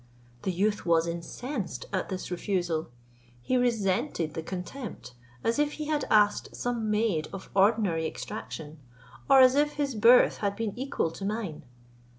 The youth was incensed at this refusal; he resented the contempt, as if he had asked some maid of ordinary extraction, or as if his birth had been equal to mine.